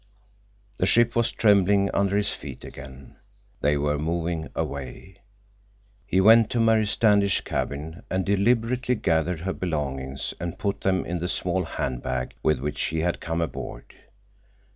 The ship was trembling under his feet again. They were moving away. He went to Mary Standish's cabin and deliberately gathered her belongings and put them in the small hand bag with which she had come aboard.